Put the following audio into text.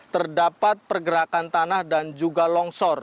terdapat pergerakan tanah dan juga longsor